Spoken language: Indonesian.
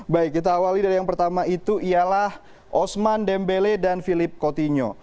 baik kita awali dari yang pertama itu ialah osman dembele dan philip coutinho